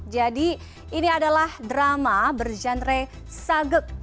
jadi ini adalah drama bergenre sageg